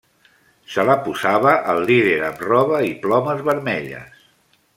Se la posava el líder amb roba i plomes vermelles.